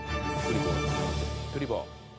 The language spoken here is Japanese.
「クリボー」